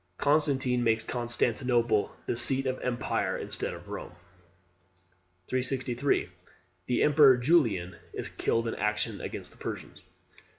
Constantine makes Constantinople the seat of empire instead of Rome. 363. The emperor Julian is killed in action against the Persians.